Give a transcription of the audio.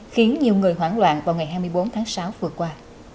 khiến nhiều người hoảng loạn vào ngày hai mươi bốn tháng sáu vừa qua